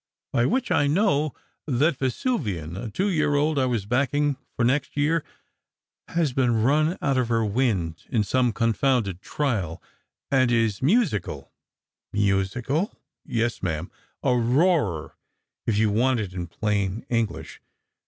By which I know that Yesuvian, a two year old I was backing for next year, has been run out of her wind in some confounded trial, and is musical." " Musical !"" Yes, ma'am ; a roarer, if yon want it in plain English."